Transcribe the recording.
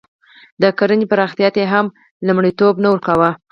د کرنې پراختیا ته یې هم لومړیتوب نه ورکاوه.